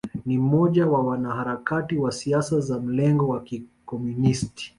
Ni mmoja wa wanaharakati wa siasa za mlengo wa Kikomunisti